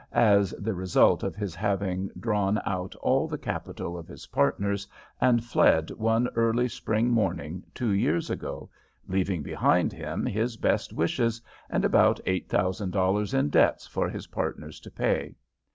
as the result of his having drawn out all the capital of his partners and fled one early spring morning two years ago, leaving behind him his best wishes and about eight thousand dollars in debts for his partners to pay.